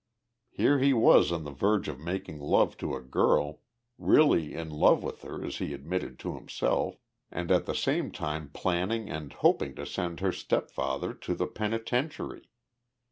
Here he was on the verge of making love to a girl really in love with her, as he admitted to himself and at the same time planning and hoping to send her stepfather to the penitentiary.